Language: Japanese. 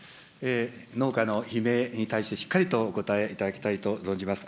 農家の悲鳴に対してしっかりとお応えいただきたいと存じます。